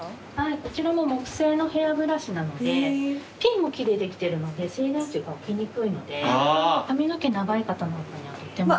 こちらも木製のヘアブラシなのでピンも木でできてるので静電気が起きにくいので髪の毛長い方なんかにはとってもお薦めです。